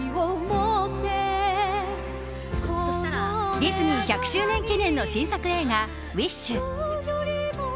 ディズニー１００周年記念の新作映画「ウィッシュ」。